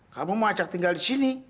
kamu mau ajak tinggal disini